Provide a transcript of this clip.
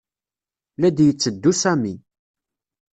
La d-yetteddu Sami.